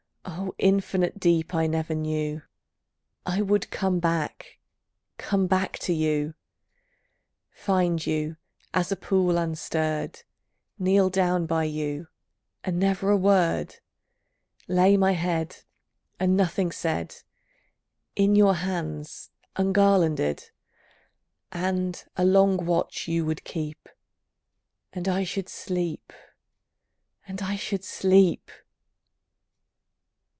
O infinite deep I never knew, I would come back, come back to you, Find you, as a pool unstirred, Kneel down by you, and never a word, Lay my head, and nothing said, In your hands, ungarlanded; And a long watch you would keep; And I should sleep, and I should sleep!